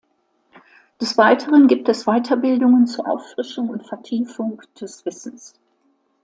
Des Weiteren gibt es Weiterbildungen zur Auffrischung und Vertiefung des Wissens.